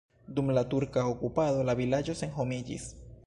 Dum la turka okupado la vilaĝo senhomiĝis.